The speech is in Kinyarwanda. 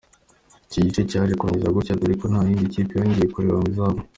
Iki gice cyaje kurangira gutya dore ko nta yindi kipe yongeye kureba mu izamu.